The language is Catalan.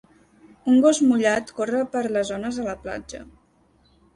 Un gos mullat corre pel les ones a la platja.